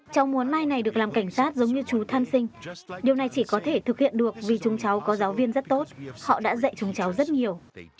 cháu muốn mai này được làm cảnh sát giống như chú tham sinh điều này chỉ có thể thực hiện được vì chúng cháu có giáo viên rất tốt họ đã dạy chúng cháu rất nhiều